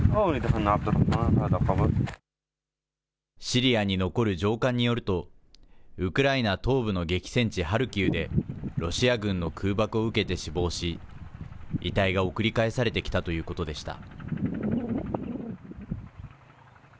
シリアに残る上官によると、ウクライナ東部の激戦地、ハルキウでロシア軍の空爆を受けて死亡し、遺体が送り返されてきたということでした。